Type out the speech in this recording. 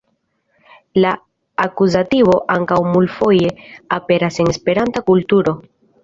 La akuzativo ankaŭ multfoje aperas en Esperanta kulturo.